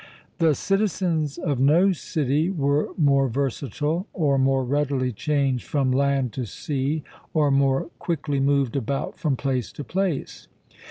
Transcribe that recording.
The citizens of no city were more versatile, or more readily changed from land to sea or more quickly moved about from place to place.